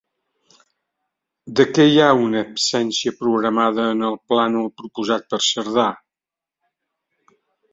De què hi ha una absència programada en el plànol proposat per Cerdà?